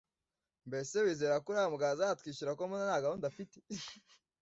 Mbese wizerako uriya mugabo azatwishyura ko mbona ntagahunda afite